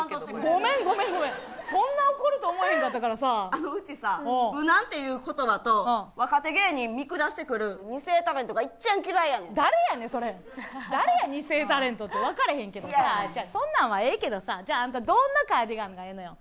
ごめんごめんごめんそんな怒ると思わへんかったからさあのうちさ無難っていう言葉と若手芸人見下してくる２世タレントがいっちゃん嫌いやねん誰やねんそれ誰や２世タレントって分かれへんけどそんなんはええけどさじゃアンタどんなカーディガンがええのよ